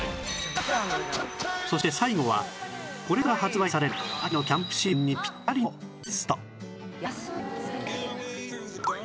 そして最後はこれから発売される秋のキャンプシーズンにピッタリのベスト安い！